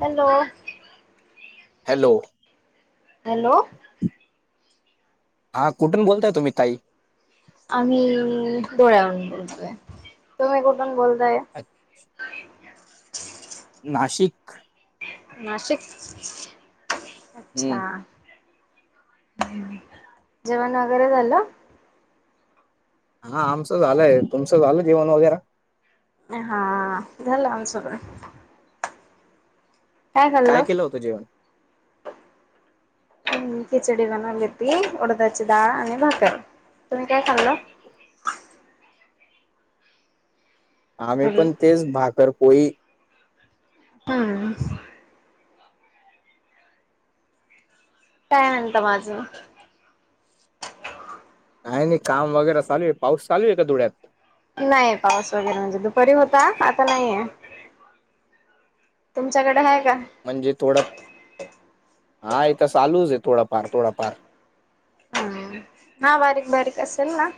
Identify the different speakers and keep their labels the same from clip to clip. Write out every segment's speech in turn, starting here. Speaker 1: Hello
Speaker 2: hello
Speaker 1: hello
Speaker 2: हा कुठून बोलताय तम्ही ताई
Speaker 1: आमही दोड आणून बोल तुमही कोठून बोलताय
Speaker 2: अचछ नाशिक
Speaker 1: नाशिक
Speaker 2: हम्म
Speaker 1: अच्छा जेवण वगैरे झालं
Speaker 2: हा आमचं झालंय तुमचं झालं जेवन वगैरे
Speaker 1: हा झालं आम सगं
Speaker 2: काय केलं होतं जेवण
Speaker 1: खिचडी बनवली ती उडदाची डाळ आणि भाकरर तुम्ही काय खाल्लं
Speaker 2: आम्ही पण तेच भाकर कोोळी
Speaker 1: ह काय म्हणत माझं
Speaker 2: काय नाही का वगैरे चालू आहे पाऊस चालू आहे का धुळ्यात
Speaker 1: नाही पाऊस वगैरे म्हणजे दुपारी होता आता नाहीये तुमच्याकडे आहे का
Speaker 2: म्हणजे थोडं हा इ तर चालूच आहे थोडाफार थोडाफार
Speaker 1: हम हा बारीक बारीक असेल ना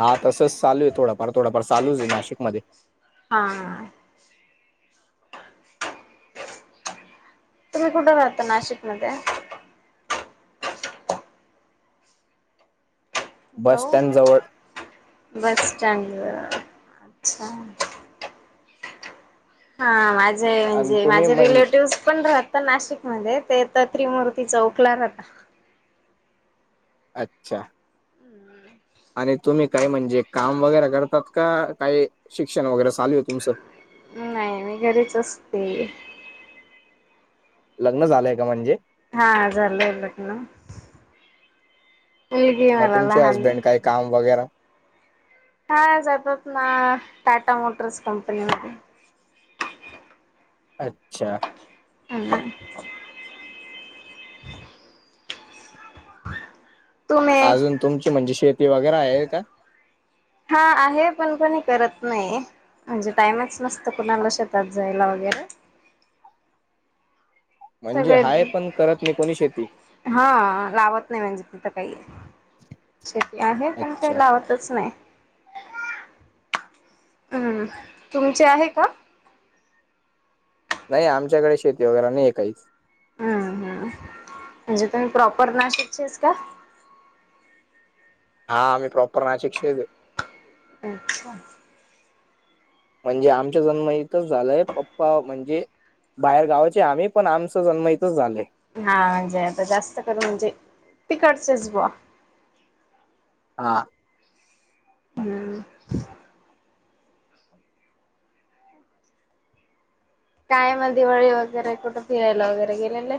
Speaker 2: हा तसं चालू आहे थोडाफार थोडफार चालू आहे नाशिक मध्ये
Speaker 1: हा तुम्ही कुठे राहता नाशिकमध्येध्ये
Speaker 2: बस
Speaker 1: हॅलो
Speaker 2: स्टँड जवळ
Speaker 1: बस स्टँ हा माझे
Speaker 2: आणि
Speaker 1: म्हणजे
Speaker 2: तुम्ही
Speaker 1: माझे
Speaker 2: म्हण
Speaker 1: रिलेटिव्हस पण राहत नाशिक मध्ये ते तर त्रिमूर्ती चौकला न होता
Speaker 2: अच्छा
Speaker 1: हम्म
Speaker 2: आणि तुम्ही काय म्हणजे काम वगैरे करतात का काही शिक्षण वगैरे चालू आहे तुमचं
Speaker 1: नमी घरीच असते
Speaker 2: लग्न झालंय का म्हणजे
Speaker 1: हा झालंय लग्न मुलगी आहे
Speaker 2: मग
Speaker 1: मला
Speaker 2: तुमचे
Speaker 1: लहाानले
Speaker 2: हसबेंड काय काम वगैरे
Speaker 1: हा जातात ना टाटा मोटर्स कंपनी म
Speaker 2: अच्छा
Speaker 1: हम् तुम्ही
Speaker 2: अजून तुमची म्हणजे शेती वगैरे आहे का
Speaker 1: हा आहे पण कोणी करत नाही म्हणजे टाईमच मस्त कुणाला शेतात जायला वगैरे
Speaker 2: म्हणजे हाय
Speaker 1: सगळे
Speaker 2: पण करत नाही कोणी शेती
Speaker 1: हा लावत नाही म्हणजे तिथं काही शेती आहे पण ते
Speaker 2: अच्छा.
Speaker 1: लावत. नाही हम् तुमचे आहे का?
Speaker 2: नाही आमच्याकडे शेती वगैरे नाही काहीच.
Speaker 1: हम्म हम्म म्हणजे तुम्ही प्रॉपर नाशिकचेस का?
Speaker 2: हा आम्ही प्रॉपर ना शिक्षेत दे.
Speaker 1: अच्छा.
Speaker 2: म्हणजे आमच्या जन्म इथं झालंय पप्पा म्हणजे बाहेर गावाचे आम्ही पण आमच जन्म इथच झालं.
Speaker 1: हा म्हणजे आता जास्त करू म्हणजे तिकडचच बवा.
Speaker 2: हा.
Speaker 1: हम्म. काय म दिवाळी वगैरे कुठं फिरायला वगैरे गेलेलं.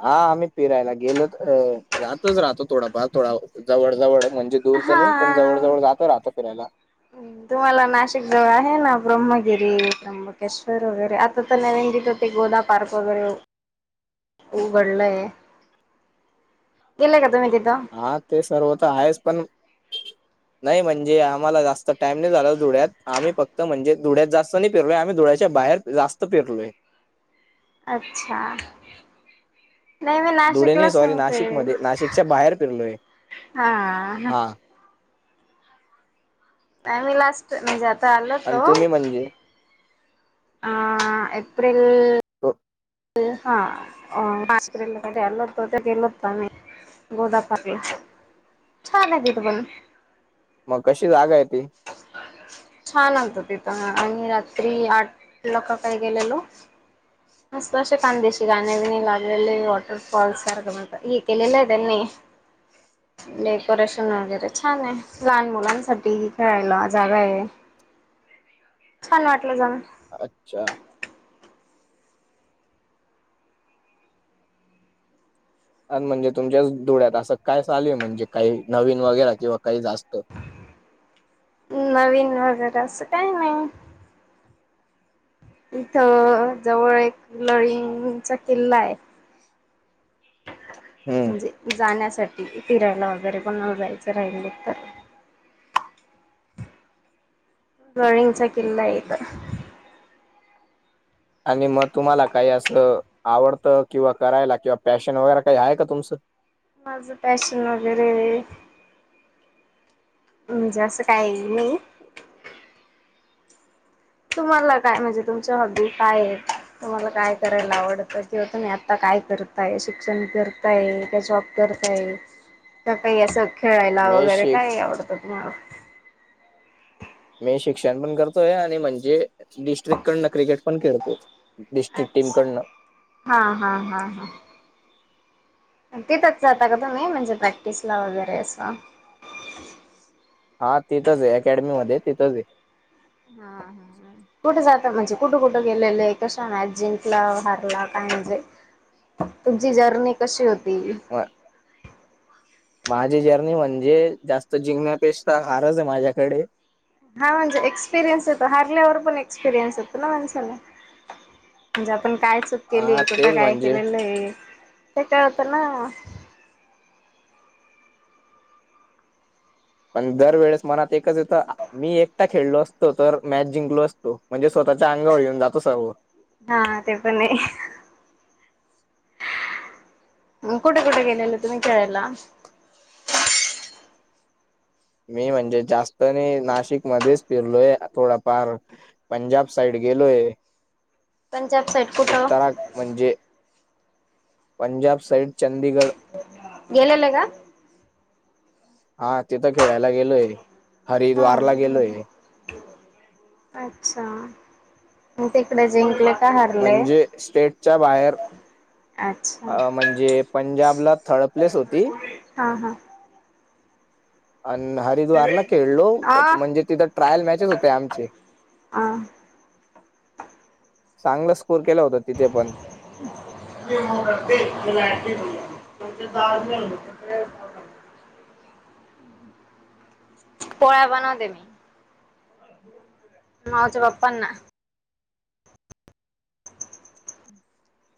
Speaker 2: हा आम्ही फिरायला गेलो जातच राहतो थोडाफार थोडा जवळ जवळ म्हणजे दूरच नाही पण जवळ
Speaker 1: हा.
Speaker 2: जवळ जात राहता फिरायला
Speaker 1: तुम्हाला नाशिक जवळ आहे ना ब्रह्मगिरी त्यंबकेश्वर वगैरे आता तर नंदेत होते गोदा पार् वगैरे उघडलंय गेलय का तुम्ही तिथं.
Speaker 2: हा ते सर्व तर आहेच पण नाही म्हणजे आम्हालास् टाइम नाही झाला धुळ्यात आम्ही फक्त म्हणजे धुळ्यात जास्त नाही फिरलो आम्ही धुळ्याच्या बाहेर जास्त पेरलोय.
Speaker 1: अच्छा. नाही मी
Speaker 2: धुळे नाही
Speaker 1: नाशिकला
Speaker 2: सॉरी
Speaker 1: सांगते.
Speaker 2: नाशिकमध्ये नाशिकच्या बाहेर फिरलोय
Speaker 1: हा.
Speaker 2: हा
Speaker 1: नाही मी लास्ट मी जाता आल
Speaker 2: आणि
Speaker 1: तो
Speaker 2: तुम्ही म्हणजे
Speaker 1: आ एप्रिल
Speaker 2: हो.
Speaker 1: हाला कडेल त होते गेलत तम गोदापली छान आहे येत पण
Speaker 2: मग कशी जागा आहे ती.
Speaker 1: ह. छान आत तिथं आणि रात्री आठ ल का काय गेलेलो.
Speaker 2: [unintelligible]
Speaker 1: स्पर्श कंदशशी ग आनेवीन लागलेली वाटर फाल्स सर्ग मत ह केलेला आहेनी नाही.
Speaker 2: [unintelligible]
Speaker 1: डेकोरेशन वगैरे छान आहे लहान मुलांसाठी खेळायला जागा आहे. छान वाटलं जाण.
Speaker 2: अच्छा. म्हणजे तुमच्याच डोळ्यात असं काय चालू आहे म्हणजे काही नवीन वगैरे किंवा काही जास्त
Speaker 1: नवीन वगैरे असं काय नाही. इथ जवळ एक लळींगचा किल्ला आहे.
Speaker 2: हम्म
Speaker 1: म्हणजे जाण्यासाठी फिरायला वगैरे पण जायचं राहिल तर ड्रॉळींगचाकिल येत.
Speaker 2: आणि मग तुम्हाला काही असं आवडतं किंवा करायला किंवा पॅशन वगैरे काही आहे का तुमचं?
Speaker 1: माझं पॅशन वगैरे म्हणजे असं काही नाही. तुम्हाला काय म्हणजे तुमच्या हॉबी काय आहेत. त मला काय करायला आवडत तेवत मी आता काय करताय शिक्षण करताय त्याच्या तर काही तर काही असं खेळायला
Speaker 2: मी
Speaker 1: वगैरे
Speaker 2: शिक
Speaker 1: काय आवडतं मला
Speaker 2: मी शिक्षण पण करतोय आणि म्हणजे डिस्ट्रिक कडन क्रिकेट पण खेळतो. डिस्ट्रिक्ट
Speaker 1: अच्छा.
Speaker 2: टीमकडनं.
Speaker 1: हा हा हा हा. तिथंच जाता का तुम्ही म्हणजे प्रॅक्टिसला वगैरे असं.
Speaker 2: हा तिथंच आहे अकॅडमी मध्ये तिथंच आहे.
Speaker 1: हा. कुठे जातात म्हणज कुठं-कुठ गेलेले कश ना जिंकला हरला काय म्हणजे तुमची जर्नी कशी होती?
Speaker 2: वा. माझी जर्नी म्हणजे जास्त जिंण्यापेक्षा हारच आहे माझ्याकडे.
Speaker 1: हा म्हणजे एक्सपिरियन्स येतो हारल्यावर पण एक्सपिरियन्स येतो ना माणसाला. म्हणजे आपण काय चूक केली
Speaker 2: हा
Speaker 1: कुठे
Speaker 2: तेच
Speaker 1: काय
Speaker 2: म्हणजे
Speaker 1: केलेलं आहे ते कळत ना.
Speaker 2: पण दरवेेळेस मनात एकच येतं मी एकटा खेळलो असतो तर मॅच जिंकलो असतो म्हणजे स्वतःच्या अंगावर येऊन जातो सगव.
Speaker 1: हा ते पण नाही. ह कुठे-कुठे गेलेल तुमही केळलला?
Speaker 2: मी म्हणजे जास्तने नाशिक मध्येच फिरलोय थोडाफार. पंजाब साईड गेलोय,
Speaker 1: पंजाब साईड कुठं
Speaker 2: उत्तरा म्हणजे, पंजाब साईड चंदीगड
Speaker 1: गेलेले का?
Speaker 2: हा तिथं खेळायला गेलोय,
Speaker 1: हा
Speaker 2: हरिद्वारला गेलोय.
Speaker 1: अच्छा म तिकडे जिंकले. का हारले
Speaker 2: म्हणजे स्टेटच्या बाहेर
Speaker 1: अच्छा
Speaker 2: अ म्हणजे पंजाबला थर्ड प्लेस होती.
Speaker 1: हा
Speaker 2: अन हरिद्वारला खेळलो
Speaker 1: हा
Speaker 2: म्हणजे तिथं ट्रायल मॅचेच होते आमचे.
Speaker 1: हां.
Speaker 2: चांगला स्कोर केला होता तिथे पण.
Speaker 1: [unintelligible] पोळ्या बनवते मी, मावच्या बाप्पांना.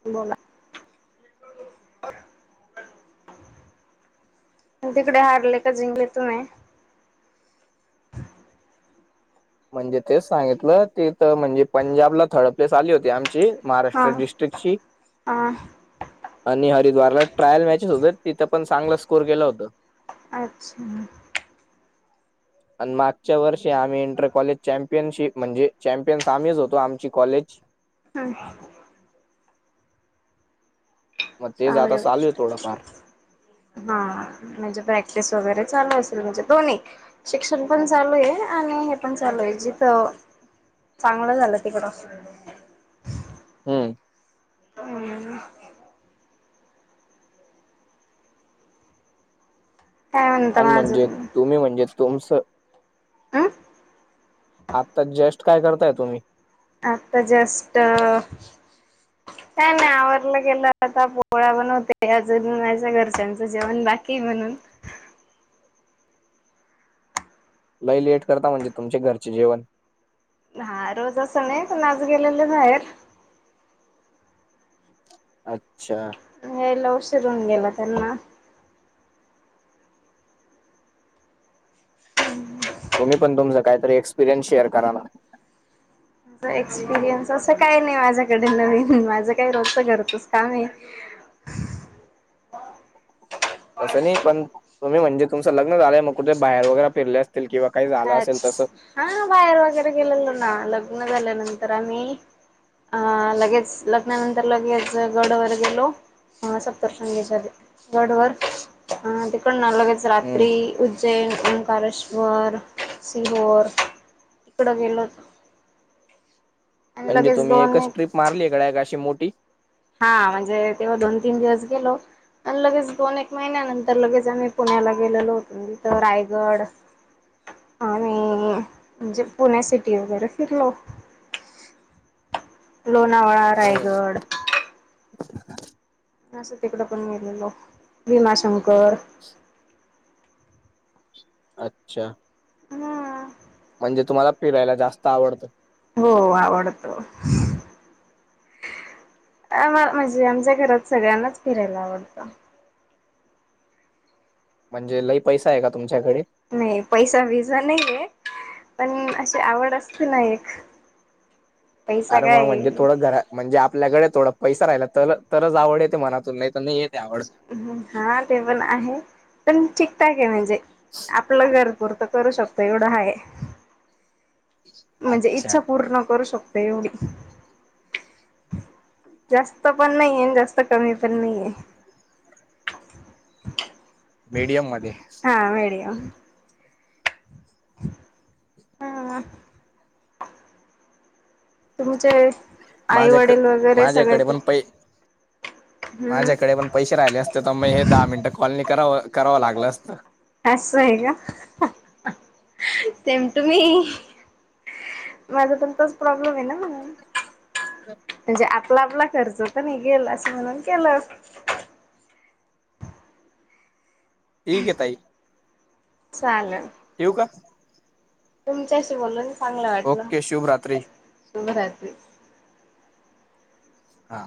Speaker 1: बोला. तिकडे हारले का जिंकले तुम्ही?
Speaker 2: म्हणजे तेच सांगितलं तिथ म्हणजे पंजाबला थर्ड प्लेस आली होती आमची.
Speaker 1: हा
Speaker 2: महाराष्ट्र डिस्ट्रिकची.
Speaker 1: हा
Speaker 2: आणि हरिद्वारला ट्रायल मॅचेस होते तिथं पण चांगलं स्कोअर केलं होतं.
Speaker 1: अच्छा.
Speaker 2: आणि मागच्या वर्षी आम्ही इंटर कॉलेज चॅम्पियनशिप म्हणजे चॅम्पियनस आम्हीच होतो आमची कॉलेज. [inaudible]
Speaker 1: हा.
Speaker 2: मग तेच आता
Speaker 1: चांगली
Speaker 2: चालू आहे
Speaker 1: गोष्ट
Speaker 2: थोडंफार.
Speaker 1: हा म्हणजे प्रॅक्टिस वगैरे चालू असेल म्हणजे दोन्ही. शिक्षण पण चालू आहे आणि हे पण चालू आहे जिथ चांगलं झाल तिकडं.
Speaker 2: हम्म.
Speaker 1: हम. काय म्हणता
Speaker 2: अन म्हणजे
Speaker 1: माझं
Speaker 2: तुम्ही म्हणजे तुमच?
Speaker 1: अं
Speaker 2: आत्ता जेस्ट काय करताय तुम्ही?
Speaker 1: आता जास्ट का नाही आवरलं गेलं आता पोहळा्या बनवते अजून माझ्या घरच्यांचं जेवण बाकी हाय म्हणून.
Speaker 2: लई लेट करता म्हणजे तुमचे घरचे जेवण.
Speaker 1: हा रोज असं नाही पण आज गेलेले बाहेर.
Speaker 2: अच्छा.
Speaker 1: यायला उशिर होऊन गेला त्यांना.
Speaker 2: तुम्ही पण तुमचा काहीतरी एक्पिरियन्स शेअर करा ना.
Speaker 1: एक्सपिरियन्स असं काही नाही माझ्याकडे नवीन. माझं काय रोजच घरचंच काम आहे.
Speaker 2: तस नाही. पण तुम्ही म्हणजे तुमचं लग्न झाल मग कुठे बाहेर वगैरे फिरल्या असं - किंवा काही -
Speaker 1: अच्. हा. बाहेर वगैरे गेलेलो ना. लग्न झाल्यानंतर आम्ही- आं. लगेच. लग्नानंतर लगेच गडवर गेलो. सप्तशृंगीच्या गडवर- [unintelligible] लगेच रात्री उज्जैन, ओंकारेश्वर. सिंहोर. इकडं गेलो होतो.
Speaker 2: म्हणजे तुम्ही
Speaker 1: दोन
Speaker 2: एकच
Speaker 1: एक
Speaker 2: ट्र्रीप मारली आहे का? डायरेक्ट अशी मोठी?
Speaker 1: हां. म्हणजे तेव्हा दोन तीन दिवस गेलो. आणि लगेच दोन एक महिन्यानंतर लगेच आम्ही पुण्याला गेलेलो. तथं रायगड- आम्ही -म्हणजे पुणे सिटी वगैरे फिरलो. लोणावळा, रायगड. अस तिकड पण गेलेलो. भीमाशंकर-
Speaker 2: अच्छा.
Speaker 1: हां.
Speaker 2: म्हणजे तुम्हाला फिरायला जास्त आवडत.
Speaker 1: हों आवडतो. ये मं म्हणजे, आमच्या घरात सगळ्यांनाच फिरायला आवडतं.
Speaker 2: म्हणजे लयी पैसा आहे का तुमच्याकडे?
Speaker 1: नाही पैसा बिसा नाहीयें- पण अशी आवड असते ना एक. पैसा
Speaker 2: अर मग म्हणजे
Speaker 1: काय
Speaker 2: थोडं घरा - म्हणजे आपल्याकडे थोडा पैसा राहिला तर, तरच आवड येते मनातून. नाही तर नाही येते आवड.
Speaker 1: हा ते पण आहे. पण ठीकठाक आहे म्हणजे आपलं घर- पुूरत करू शकतो एवढं हाय. म्हणजे
Speaker 2: अच्छा
Speaker 1: इच्छा पूर्ण करू शकतो एवढी. जास्त पण नाहिए. अन जास्त कमी पण नाहीये.
Speaker 2: मीडियम मध्ये.
Speaker 1: हां मिडीयम. हां. तुमचे आई
Speaker 2: माझ्याक
Speaker 1: वडील वगैरे सगळे
Speaker 2: माझ्याकडे
Speaker 1: ति-
Speaker 2: पण पै माझ्याकडे पण पैसे राहिले असते तर मग हे दहा मिनटं कॉल नाई कराव, करावं लागलं असतं.
Speaker 1: असंये का? ते मं तुम्ही- माझा पण तोच प्रॉब्लेम आहे नां म्हणून- म्हणजे आपला आपला खर्च तर निघेल. असं म्हणून केलं.
Speaker 2: ठीक आहे ताई.
Speaker 1: चालल.
Speaker 2: ठेऊ कां?
Speaker 1: तुमच्याशी बोलून चांगलं वाटलं.
Speaker 2: ओके
Speaker 1: शुभरात्री.
Speaker 2: हां.